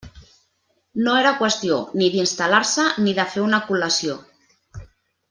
No era qüestió ni d'instal·lar-se ni de fer una col·lació.